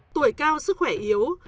tuổi cao sức khỏe yếu